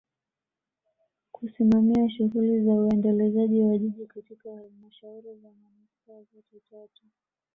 Kusimamia shughuli za uendelezaji wa Jiji katika Halmashauri za Manispaa zote tatu